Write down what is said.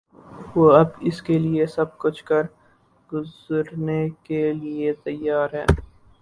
وہ اب اس کے لیے سب کچھ کر گزرنے کے لیے تیار ہیں۔